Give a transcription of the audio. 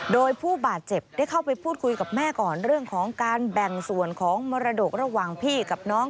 โดยผู้บาดเจ็บได้เข้าไปพูดคุยกับแม่ก่อนเรื่องของการแบ่งส่วนของมรดกระหว่างพี่กับน้อง